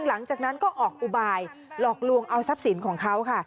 หลังจากนั้นก็ออกอุบายหลอกลวงเอาทรัพย์สินของเขาค่ะ